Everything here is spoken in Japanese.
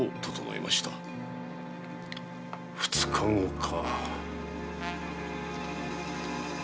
二日後か。